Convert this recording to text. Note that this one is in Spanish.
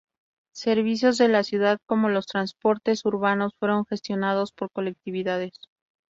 Servicios de la ciudad como los transportes urbanos fueron gestionados por colectividades.